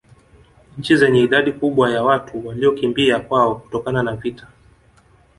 Nchi zenye idadi kubwa ya watu waliokimbia kwao kutokana na vita